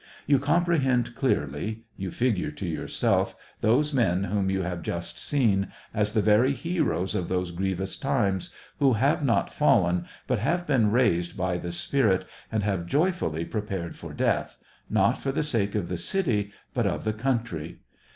You comprehend clearly, you figure to yourself, those men whom you have just seen, as the very heroes of those grievous times, who have not fallen, but have been raised by the spirit, and have joyfully pre pared for death, not for the sake of the city, but of the country.